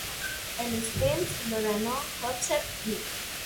El sprint lo ganó Joseph Pe.